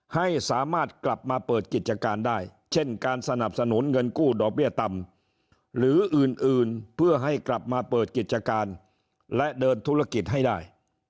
ให้สามารถกลับมาเปิดกิจการได้เช่นการสนับสนุนเงินกู้ดอกเบี้ยต่ำหรืออื่นเพื่อให้กลับมาเปิดกิจการและเดินธุรกิจให้ได้